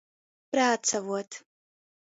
Prācavuot.